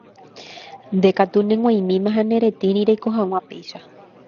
Ndékatu neg̃uaig̃uĩma ha neretĩri reiko hag̃ua péicha.